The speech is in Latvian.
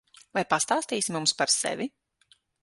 Vai pastāstīsi mums par sevi?